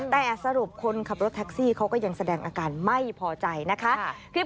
แต่สรุปคนขับรถแท็กซี่เขาก็ยังแสดงอาการไม่พอใจนะคะ